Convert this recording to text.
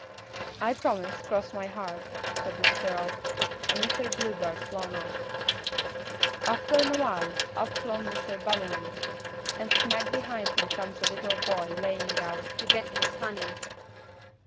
"'I promise, cross my heart,' says the squirl, and Mr. Bluebird flown off. "Aftern awhile, up flown Mr. Bummely, and smack behind him comes a little boy layin' out to git his honey.